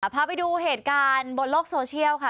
พาไปดูเหตุการณ์บนโลกโซเชียลค่ะ